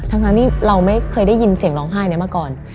ทั้งที่เราไม่เคยได้ยินเสียงร้องไห้นี้มาก่อน